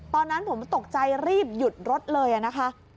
ตอนนั้นผมตกใจรีบหยุดรถเลยนะคะ